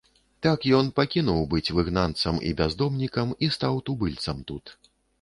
Так ён пакінуў быць выгнанцам і бяздомнікам і стаў тубыльцам тут.